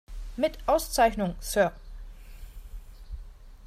Mit Auszeichnung, Sir!